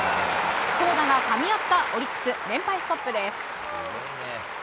投打がかみ合ったオリックス連敗ストップです。